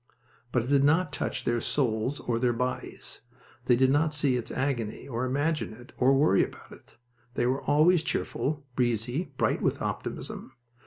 But it did not touch their souls or their bodies. They did not see its agony, or imagine it, or worry about it. They were always cheerful, breezy, bright with optimism.